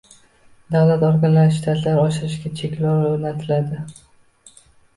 Davlat organlari shtatlarini oshirishga cheklovlar o‘rnatiladi.